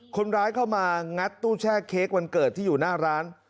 คนร้ายเข้ามางัดตู้แช่เค้กวันเกิดที่อยู่หน้าร้าน